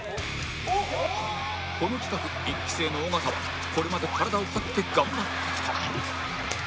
この企画１期生の尾形はこれまで体を張って頑張ってきた